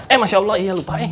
eh masya allah iya lupain